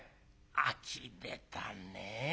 あきれたねぇ。